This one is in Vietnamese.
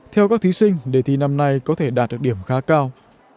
theo các thí sinh đề thi năm nay có thể đạt được điểm khá cao